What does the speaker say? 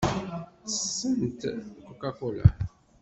Ttessent Coca-Cola.